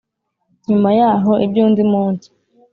Nyuma yaho iby undi munsi